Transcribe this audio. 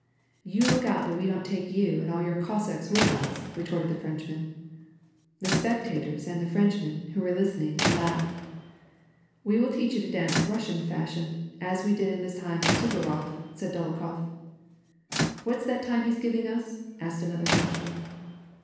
" You look out that we don't take you and all your Cossacks with us," retorted the Frenchman. The spectators and the Frenchmen, who were listening, laughed. " We'll teach vou to dance Russian fashion, as we did in the time of Suvarof," said Dolokhof. " What's that tune he's giving us ?" asked another French man.